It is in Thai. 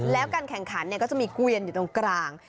แล้วการแข่งขันก็จะมีเกวียนอยู่ตรงกลาง